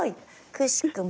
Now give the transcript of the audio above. くしくも。